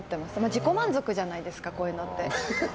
自己満足じゃないですかこういうのって。